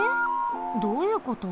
どういうこと？